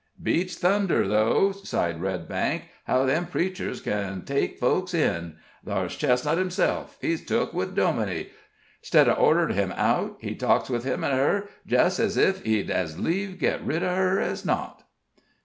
"Beats thunder, though!" sighed Redbank, "how them preachers kin take folks in. Thar's Chestnut himself, he's took with Dominie 'stead of orderin' him out, he talks with him an' her just ez ef he'd as lieve get rid of her as not."